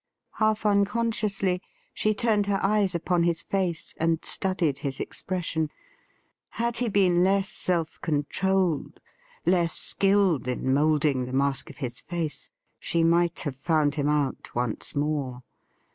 Half unconsciously she tiurned Tier eyes upon his face and studied his expression.' Had he been less self con trolled^ less skilled in moulding the mask of his face, she miglit have "found him biit oriie more.